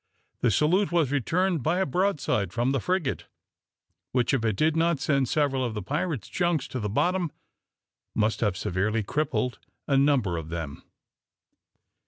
The salute was returned by a broadside from the frigate, which, if it did not send several of the pirate's junks to the bottom, must have severely crippled a number of them.